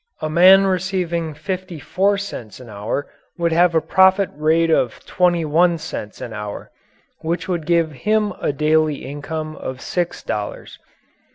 A man receiving fifty four cents an hour would have a profit rate of twenty one cents an hour which would give him a daily income of six dollars.